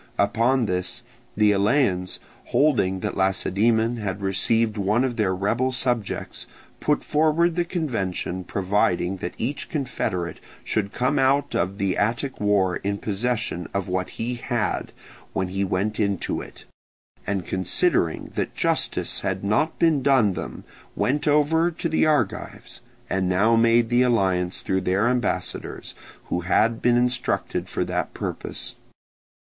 Upon this the Eleans, holding that Lacedaemon had received one of their rebel subjects, put forward the convention providing that each confederate should come out of the Attic war in possession of what he had when he went into it, and considering that justice had not been done them went over to the Argives, and now made the alliance through their ambassadors, who had been instructed for that purpose.